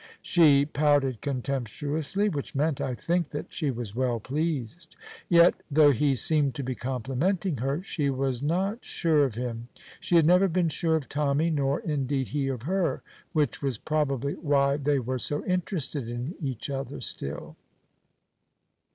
She pouted contemptuously, which meant, I think, that she was well pleased. Yet, though he seemed to be complimenting her, she was not sure of him. She had never been sure of Tommy, nor, indeed, he of her, which was probably why they were so interested in each other still.